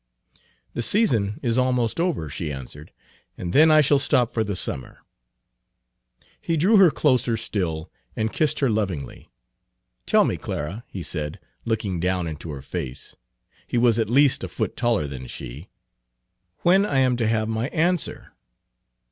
"The season is almost over," she answered, "and then I shall stop for the summer." He drew her closer still and kissed her lovingly. "Tell me, Clara," he said, looking down into her face, he was at least a foot taller than she, "when I am to have my answer."